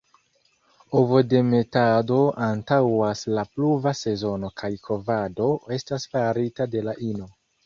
Ovodemetado antaŭas la pluva sezono kaj kovado estas farita de la ino.